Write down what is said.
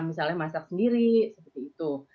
misalnya masak sendiri seperti itu